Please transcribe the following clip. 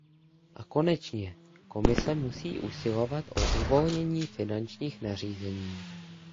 A konečně, Komise musí usilovat o uvolnění finančních nařízení.